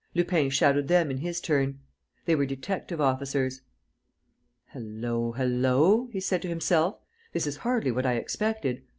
Lupin shadowed them in his turn. They were detective officers. "Hullo, hullo!" he said to himself. "This is hardly what I expected.